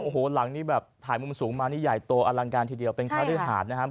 โอ้โหหลังนี้แบบถ่ายมุมสูงมานี่ใหญ่โตอลังการทีเดียวเป็นคาริหารนะครับ